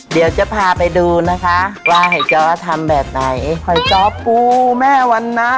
เดี๋ยวจะพาไปดูนะคะว่าหอยจ้อทำแบบไหนหอยจ้อปูแม่วันนะ